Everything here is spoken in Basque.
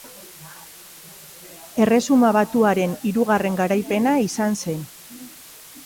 Erresuma Batuaren hirugarren garaipena izan zen.